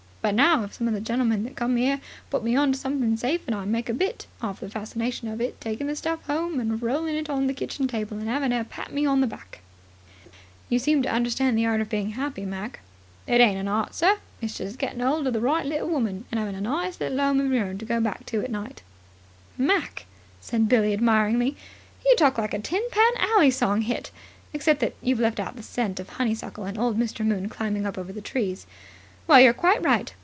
But now, if some of the gentlemen that come 'ere put me on to something safe and I make a bit, 'arf the fascination of it is taking the stuff 'ome and rolling it on to the kitchen table and 'aving 'er pat me on the back." "How about when you lose?" "I don't tell 'er," said Mac simply. "You seem to understand the art of being happy, Mac." "It ain't an art, sir. It's just gettin' 'old of the right little woman, and 'aving a nice little 'ome of your own to go back to at night." "Mac," said Billie admiringly, "you talk like a Tin Pan Alley song hit, except that you've left out the scent of honeysuckle and Old Mister Moon climbing up over the trees. Well, you're quite right.